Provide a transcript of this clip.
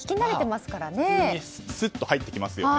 すっと入ってきますよね。